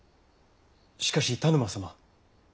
しかし田沼様。